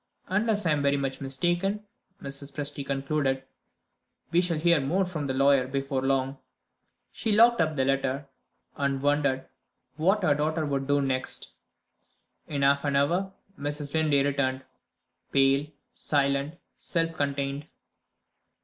"Unless I am very much mistaken," Mrs. Presty concluded, "we shall hear more from the lawyer before long." She locked up the letter, and wondered what her daughter would do next. In half an hour Mrs. Linley returned pale, silent, self contained.